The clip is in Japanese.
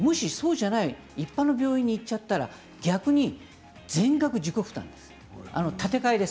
そうじゃない一般の病院に行っちゃったら逆に全額自己負担です。